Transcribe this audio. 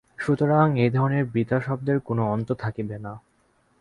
সুতরাং এই ধরনের বৃথা শব্দের কোন অন্ত থাকিবে না।